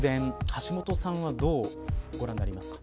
橋下さんはどうご覧になりますか。